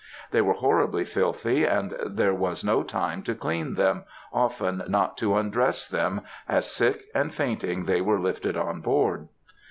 They were horribly filthy, and there was no time to clean them, often not to undress them, as, sick and fainting, they were lifted on board.